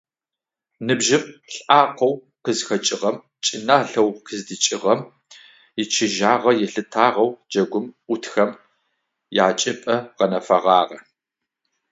Ныбжьым , лӏакъоу къызхэкӏыгъэм, чӏыналъэу къыздикӏыгъэм ичыжьагъэ ялъытыгъэу джэгум ӏутхэм ячӏыпӏэ гъэнэфэгъагъэ.